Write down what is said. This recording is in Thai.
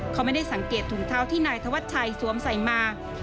เขาไม่ได้สังเกตถุงเท้าที่นายธวัชชัยสวมใส่มา